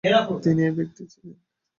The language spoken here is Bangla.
তিনি এই ব্যক্তিই ছিলেন।